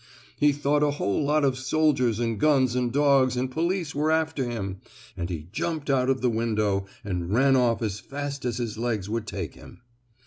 He thought a whole lot of soldiers, and guns, and dogs, and police were after him, and he jumped out of the window and ran off as fast as his legs would take him.